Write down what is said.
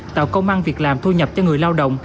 tạo công an việc làm thu nhập cho người lao động